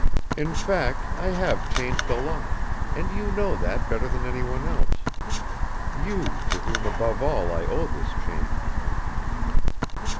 "In fact I have changed a lot, and you know that better than anyone else you to whom above all I owe this change."